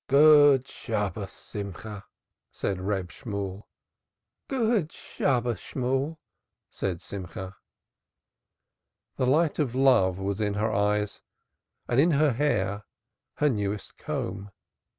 "Good Shabbos, Simcha," said Reb Shemuel. "Good Shabbos, Shemuel." said Simcha. The light of love was in her eyes, and in her hair her newest comb.